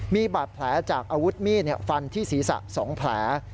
มีบาดแผลจากอาวุธมีดฟันที่ศีรษะ๒แผล